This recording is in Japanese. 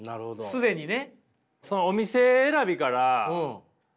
既にね。